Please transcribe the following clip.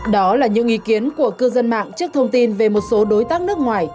đó là những ý kiến của cư dân mạng trước thông tin về một số đối tác nước ngoài